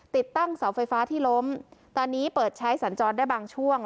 ติดตั้งเสาไฟฟ้าที่ล้มตอนนี้เปิดใช้สัญจรได้บางช่วง